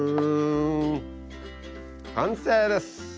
完成です。